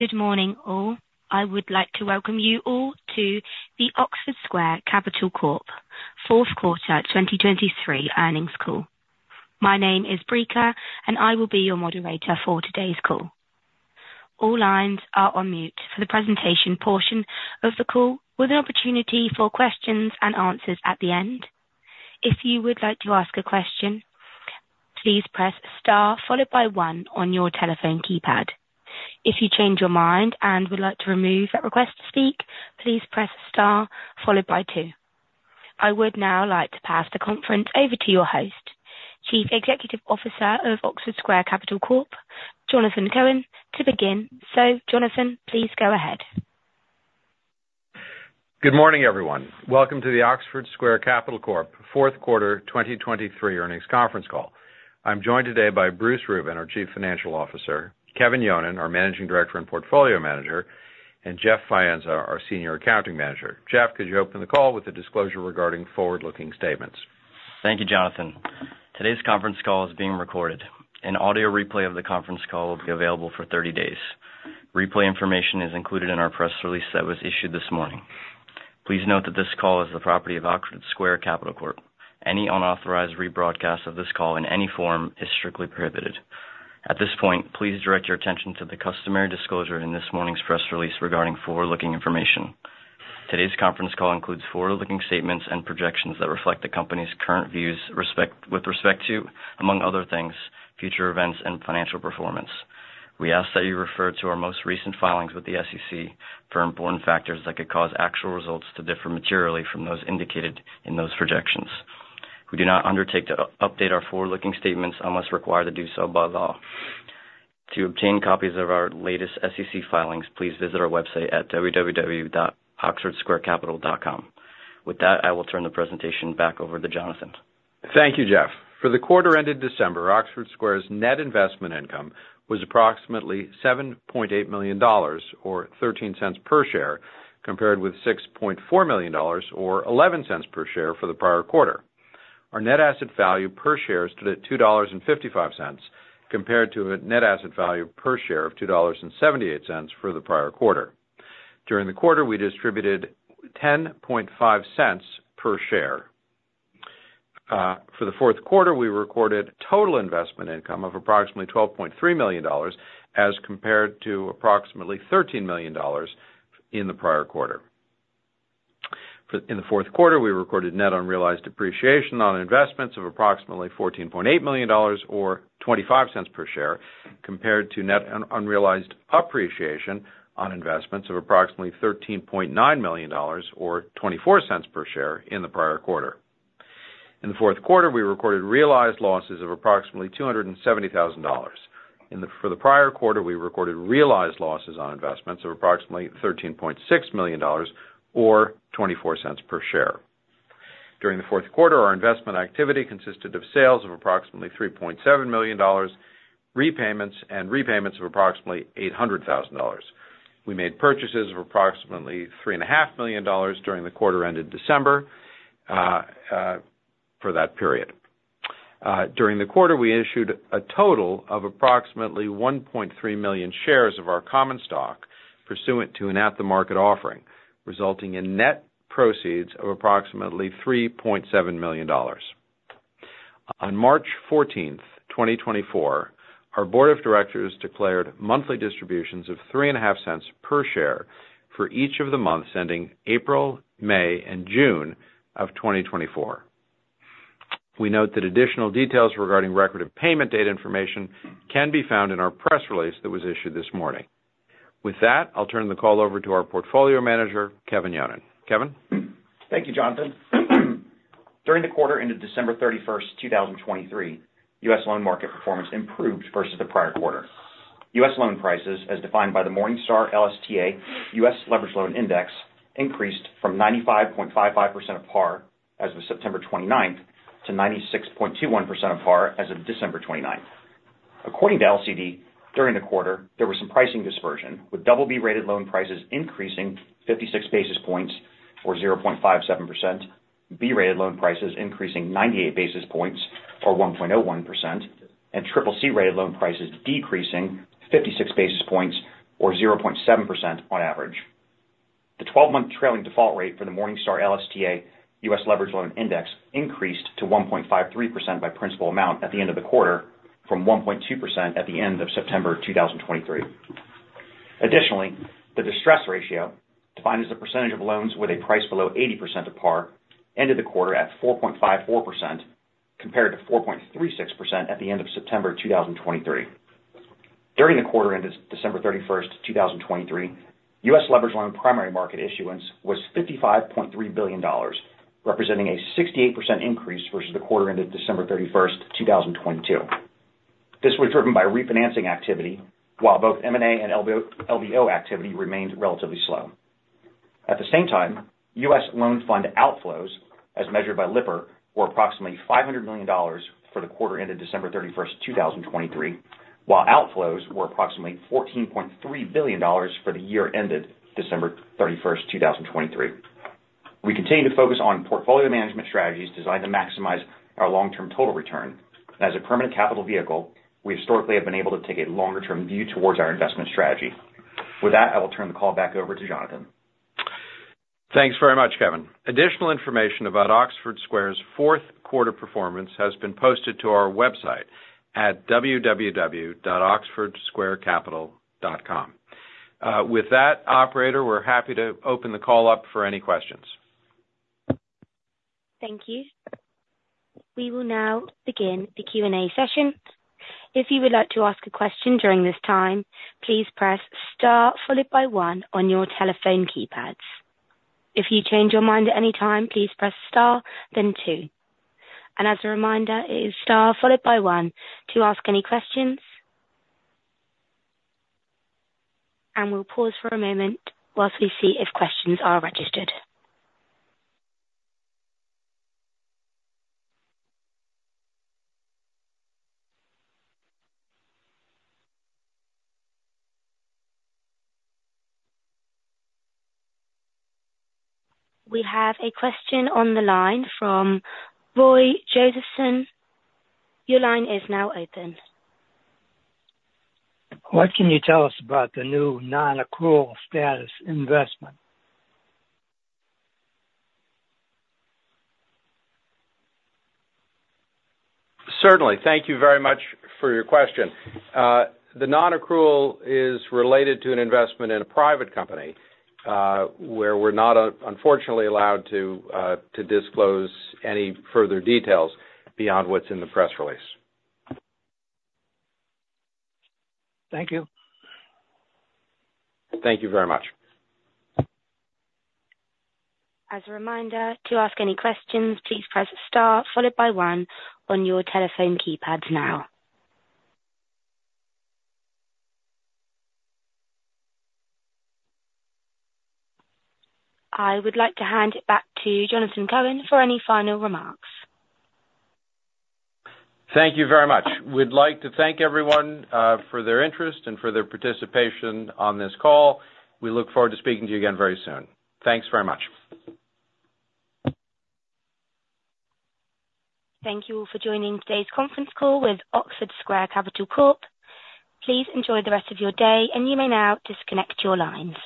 Good morning all. I would like to welcome you all to the Oxford Square Capital Corp Fourth Quarter 2023 Earnings Call. My name is Brika, and I will be your moderator for today's call. All lines are on mute for the presentation portion of the call, with an opportunity for questions and answers at the end. If you would like to ask a question, please press star followed by 1 on your telephone keypad. If you change your mind and would like to remove that request to speak, please press star followed by 2. I would now like to pass the conference over to your host, Chief Executive Officer of Oxford Square Capital Corp, Jonathan Cohen, to begin. Jonathan, please go ahead. Good morning everyone. Welcome to the Oxford Square Capital Corp Fourth Quarter 2023 Earnings Conference Call. I'm joined today by Bruce Rubin, our Chief Financial Officer, Kevin Yonon, our Managing Director and Portfolio Manager, and Jeff Faenza, our Senior Accounting Manager. Jeff, could you open the call with a disclosure regarding forward-looking statements? Thank you, Jonathan. Today's conference call is being recorded. An audio replay of the conference call will be available for 30 days. Replay information is included in our press release that was issued this morning. Please note that this call is the property of Oxford Square Capital Corp. Any unauthorized rebroadcast of this call in any form is strictly prohibited. At this point, please direct your attention to the customary disclosure in this morning's press release regarding forward-looking information. Today's conference call includes forward-looking statements and projections that reflect the company's current views with respect to, among other things, future events and financial performance. We ask that you refer to our most recent filings with the SEC for important factors that could cause actual results to differ materially from those indicated in those projections. We do not undertake to update our forward-looking statements unless required to do so by law. To obtain copies of our latest SEC filings, please visit our website at www.oxfordsquarecapital.com. With that, I will turn the presentation back over to Jonathan. Thank you, Jeff. For the quarter ended December, Oxford Square's net investment income was approximately $7.8 million or $0.13 per share compared with $6.4 million or $0.11 per share for the prior quarter. Our net asset value per share stood at $2.55 compared to a net asset value per share of $2.78 for the prior quarter. During the quarter, we distributed $0.10 per share. For the fourth quarter, we recorded total investment income of approximately $12.3 million as compared to approximately $13 million in the prior quarter. In the fourth quarter, we recorded net unrealized depreciation on investments of approximately $14.8 million or $0.25 per share compared to net unrealized appreciation on investments of approximately $13.9 million or $0.24 per share in the prior quarter. In the fourth quarter, we recorded realized losses of approximately $270,000. For the prior quarter, we recorded realized losses on investments of approximately $13.6 million or $0.24 per share. During the fourth quarter, our investment activity consisted of sales of approximately $3.7 million, repayments, and repayments of approximately $800,000. We made purchases of approximately $3.5 million during the quarter ended December for that period. During the quarter, we issued a total of approximately 1.3 million shares of our common stock pursuant to an at-the-market offering, resulting in net proceeds of approximately $3.7 million. On March 14, 2024, our Board of Directors declared monthly distributions of $0.35 per share for each of the months ending April, May, and June of 2024. We note that additional details regarding record of payment date information can be found in our press release that was issued this morning. With that, I'll turn the call over to our Portfolio Manager, Kevin Yonon. Kevin? Thank you, Jonathan. During the quarter ended December 31, 2023, U.S. loan market performance improved versus the prior quarter. U.S. loan prices, as defined by the Morningstar LSTA U.S. Leveraged Loan Index, increased from 95.55% of par as of September 29 to 96.21% of par as of December 29. According to LCD, during the quarter, there was some pricing dispersion, with BB-rated loan prices increasing 56 basis points or 0.57%, B-rated loan prices increasing 98 basis points or 1.01%, and CCC-rated loan prices decreasing 56 basis points or 0.7% on average. The 12-month trailing default rate for the Morningstar LSTA U.S. Leveraged Loan Index increased to 1.53% by principal amount at the end of the quarter from 1.2% at the end of September 2023. Additionally, the distress ratio, defined as the percentage of loans with a price below 80% of par, ended the quarter at 4.54% compared to 4.36% at the end of September 2023. During the quarter ended December 31, 2023, U.S. Leveraged Loan primary market issuance was $55.3 billion, representing a 68% increase versus the quarter ended December 31, 2022. This was driven by refinancing activity, while both M&A and LBO activity remained relatively slow. At the same time, U.S. loan fund outflows, as measured by Lipper, were approximately $500 million for the quarter ended December 31, 2023, while outflows were approximately $14.3 billion for the year ended December 31, 2023. We continue to focus on portfolio management strategies designed to maximize our long-term total return. As a permanent capital vehicle, we historically have been able to take a longer-term view towards our investment strategy. With that, I will turn the call back over to Jonathan. Thanks very much, Kevin. Additional information about Oxford Square's fourth quarter performance has been posted to our website at www.oxfordsquarecapital.com. With that, operator, we're happy to open the call up for any questions. Thank you. We will now begin the Q&A session. If you would like to ask a question during this time, please press star followed by 1 on your telephone keypads. If you change your mind at any time, please press star, then 2. As a reminder, it is star followed by 1 to ask any questions. We'll pause for a moment whilst we see if questions are registered. We have a question on the line from Roy Josephson. Your line is now open. What can you tell us about the new non-accrual status investment? Certainly. Thank you very much for your question. The non-accrual is related to an investment in a private company, where we're not, unfortunately, allowed to disclose any further details beyond what's in the press release. Thank you. Thank you very much. As a reminder, to ask any questions, please press star followed by 1 on your telephone keypads now. I would like to hand it back to Jonathan Cohen for any final remarks. Thank you very much. We'd like to thank everyone for their interest and for their participation on this call. We look forward to speaking to you again very soon. Thanks very much. Thank you all for joining today's conference call with Oxford Square Capital Corp. Please enjoy the rest of your day, and you may now disconnect your lines.